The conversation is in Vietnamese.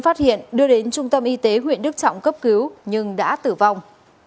phát hiện đưa đến trung tâm y tế huyện đức trọng cấp cứu nhưng đã tử vong